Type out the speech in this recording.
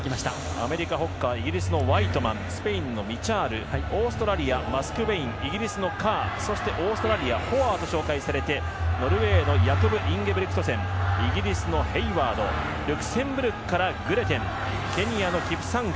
アメリカ、ホッカーイギリスのワイトマンスペインのミチャールオーストラリア、マクスウェインオーストラリアホアーと紹介されてノルウェーのヤコブ・インゲブリクトセンイギリスのヘイワードルクセンブルクからグレテンケニアのキプサング